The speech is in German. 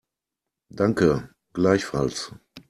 Danke, gleichfalls.